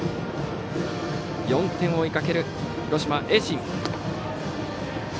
４点を追いかける広島・盈進。